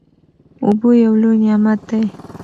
اوبه یو لوی نعمت دی.